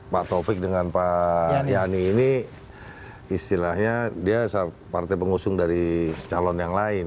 pak taufik dengan pak yani ini istilahnya dia partai pengusung dari calon yang lain